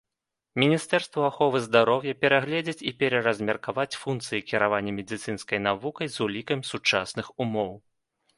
Міністэрству аховы здароўя перагледзець і пераразмеркаваць функцыі кіравання медыцынскай навукай з улікам сучасных умоў.